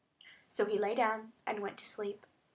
So he lay down, and went to sleep.